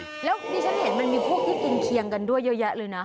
แล้วดิฉันเห็นมันมีพวกที่กินเคียงกันด้วยเยอะแยะเลยนะ